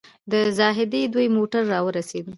د زاهدي دوی موټر راورسېد.